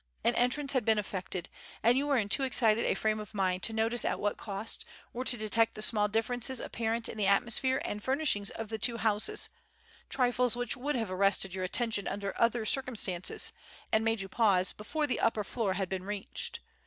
An entrance had been effected, and you were in too excited a frame of mind to notice at what cost, or to detect the small differences apparent in the atmosphere and furnishings of the two houses, trifles which would have arrested your attention under other circumstances, and made you pause before the upper floor had been reached.